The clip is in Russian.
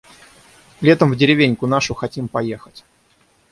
Летом в деревеньку нашу хотим поехать.